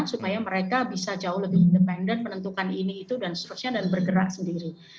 supaya mereka bisa jauh lebih independen menentukan ini itu dan seterusnya dan bergerak sendiri